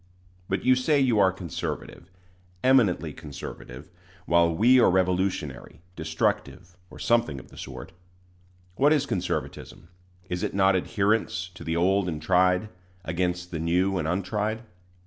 But you say you are conservative eminently conservative while we are revolutionary, destructive, or something of the sort. What is conservatism? Is it not adherence to the old and tried, against the new and untried?